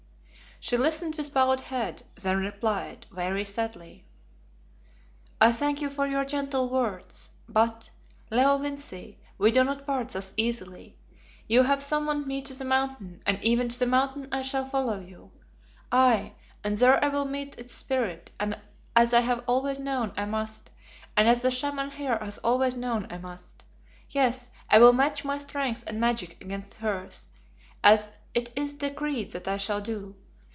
She listened with bowed head, then replied, very sadly "I thank you for your gentle words, but, Leo Vincey, we do not part thus easily. You have summoned me to the Mountain, and even to the Mountain I shall follow you. Aye, and there I will meet its Spirit, as I have always known I must and as the Shaman here has always known I must. Yes, I will match my strength and magic against hers, as it is decreed that I shall do.